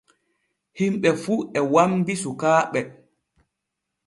Himɓe fu e wambi sukaaɓe.